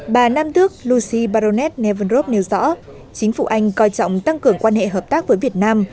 bà nam tước luxi baronet nevendrov nêu rõ chính phủ anh coi trọng tăng cường quan hệ hợp tác với việt nam